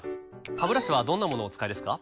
ハブラシはどんなものをお使いですか？